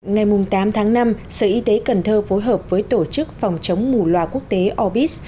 ngày tám tháng năm sở y tế cần thơ phối hợp với tổ chức phòng chống mù loà quốc tế orbis